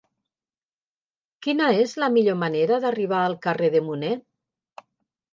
Quina és la millor manera d'arribar al carrer de Munné?